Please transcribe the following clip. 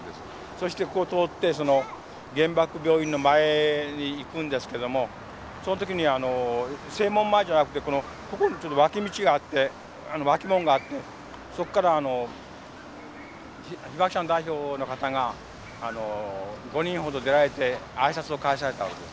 そしてここを通ってその原爆病院の前に行くんですけどもその時には正門前じゃなくてこのここにちょっと脇道があって脇門があってそこからあの被爆者の代表の方が５人ほど出られて挨拶を交わされたわけです。